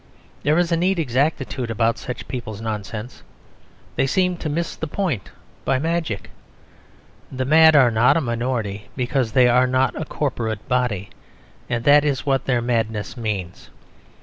There is a neat exactitude about such people's nonsense; they seem to miss the point by magic. The mad are not a minority because they are not a corporate body; and that is what their madness means.